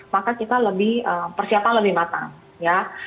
maka kita lebih persiapan lebih matang ya